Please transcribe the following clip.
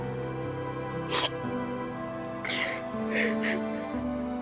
kamu tidak dapat melakukannya